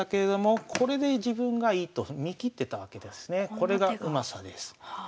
これがうまさです。